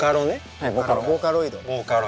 はいボーカロイド。